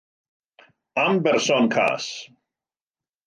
Am berson cas!